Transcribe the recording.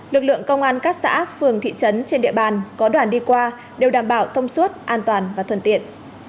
lực lượng công an các xã phường thị trấn trên địa bàn có đoàn đi qua đều đảm bảo thông suốt an toàn và thuận tiện